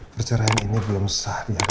perceraian ini belum sah ya